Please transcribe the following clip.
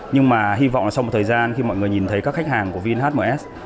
nhưng mà hy vọng là sau một thời gian khi mọi người nhìn thấy các khách hàng của vinms